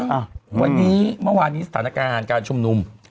อ่ะวันนี้เมื่อวานนี้สถานการณ์การชุมนุม